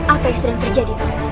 apa yang sedang terjadi